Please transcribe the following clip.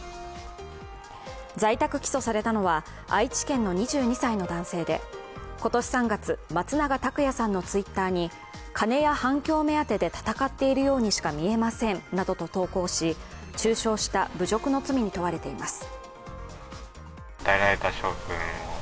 在宅起訴されたのは愛知県の２２歳の男性で今年３月、松永拓也さんのＴｗｉｔｔｅｒに金や反響目当てで闘っているようにしか見えませんなどと投稿し、中傷した侮辱の罪に問われています。